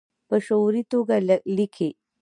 په شعوري توګه لیکي